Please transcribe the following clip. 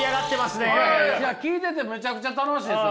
聞いててめちゃくちゃ楽しいです。